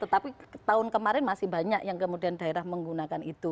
tetapi tahun kemarin masih banyak yang kemudian daerah menggunakan itu